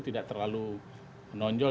tidak terlalu menonjol